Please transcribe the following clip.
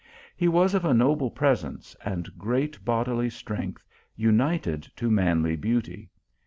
He was of a noble presence and great bodily strength, united to manly beauty.